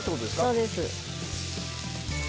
そうです。